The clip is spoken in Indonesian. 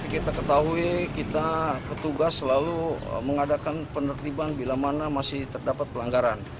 kita ketahui kita petugas selalu mengadakan penertiban bila mana masih terdapat pelanggaran